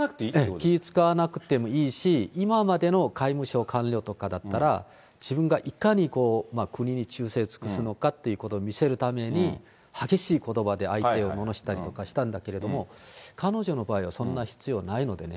気遣わなくてもいいし、今までの外務省官僚とかだったら、自分がいかに国に忠誠尽くすのかということを見せるために、激しいことばで相手をののしったりとかしたんだけれども、彼女の場合はそんな必要ないのでね。